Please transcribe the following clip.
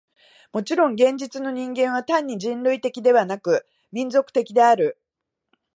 もちろん現実の人間は単に人類的でなく、民族的である。